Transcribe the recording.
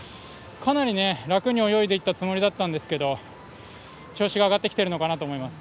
かなり楽に泳いでいったつもりなんですが調子が上がってきているのかなと思います。